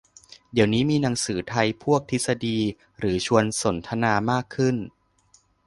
เดี๋ยวนี้มีหนังสือไทยพวกทฤษฎีหรือชวนสนทนามากขึ้น